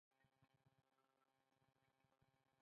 دا کارګران په زور کروندو کې کار کولو ته اړ ایستل کېدل.